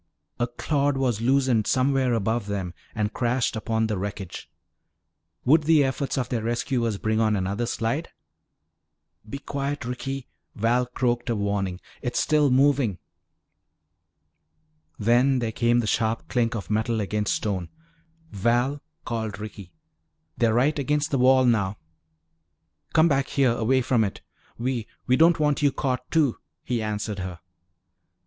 A clod was loosened somewhere above them and crashed upon the wreckage. Would the efforts of their rescuers bring on another slide? "Be quiet, Ricky," Val croaked a warning, "it's still moving." Then there came the sharp clink of metal against stone. "Val," called Ricky, "they're right against the wall now!" "Come back here, away from it. We we don't want you caught, too," he answered her.